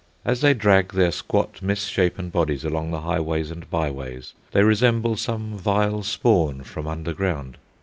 As they drag their squat, misshapen bodies along the highways and byways, they resemble some vile spawn from underground.